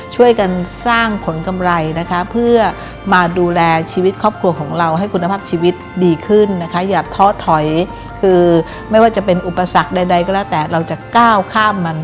ช่วยกันสร้างผลกำไรนะคะเพื่อมาดูแลชีวิตครอบครัวของเราให้คุณภาพชีวิตดีขึ้นนะคะอย่าท้อถอยคือไม่ว่าจะเป็นอุปสรรคใดก็แล้วแต่เราจะก้าวข้ามมัน